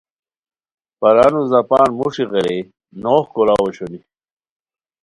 پرانو زاپان موݰی غیرئے نوغ کوراؤ اوشونی